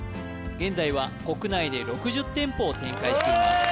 現在は国内で６０店舗を展開しています